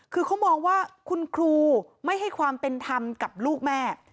คือเขามองว่าคุณครูไม่ให้ความเป็นธรรมกับลูกแม่